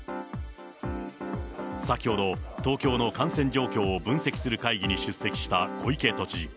先ほど、東京の感染状況を分析する会議に出席した小池都知事。